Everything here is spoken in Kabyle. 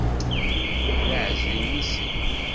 D iɛeẓriyen i sin.